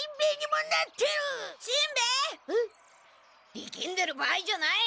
力んでる場合じゃない！